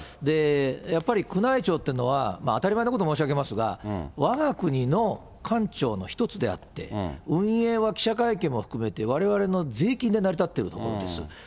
やっぱり宮内庁っていうのは、当たり前のこと申し上げますが、わが国の官庁の一つであって、運営は記者会見も含めてわれわれの税金で成り立っているところです。